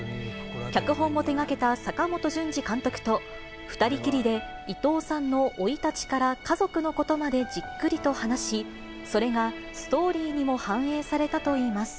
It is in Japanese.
脚本も手がけた阪本順治監督と、２人きりで伊藤さんの生い立ちから家族のことまでじっくりと話し、それがストーリーにも反映されたといいます。